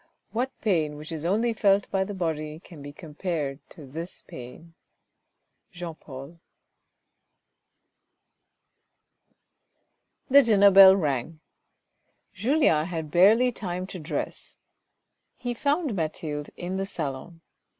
What pain which is only felt by the body can be com pared to this pain 1—Jean Paul. The dinner bell rang, Julien had barely time to dress : he found Mathilde in the salon.